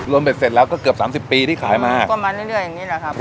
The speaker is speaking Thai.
เบ็ดเสร็จแล้วก็เกือบสามสิบปีที่ขายมาก็มาเรื่อยอย่างนี้แหละครับ